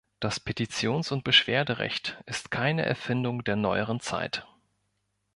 Das Petitions- und Beschwerderecht ist keine Erfindung der neueren Zeit.